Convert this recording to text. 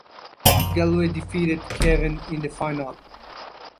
Galway defeated Cavan in the final.